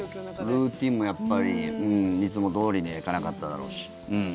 ルーチンもやっぱりいつもどおりにはいかなかっただろうし。